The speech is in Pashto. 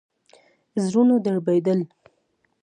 زړونه دربېدل.